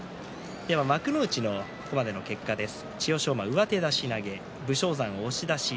幕内のここまでの結果です。